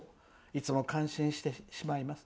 いつも感心してしまいます。